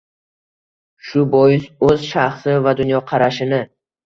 shu bois o‘z shaxsi va dunyoqarashini